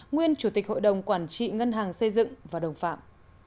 nguyên chủ tịch hội đồng quản trị ngân hàng xây dựng và đồng phạm